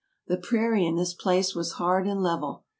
The prairie in this place was hard and level.